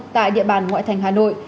tại địa bàn ngoại thành hà nội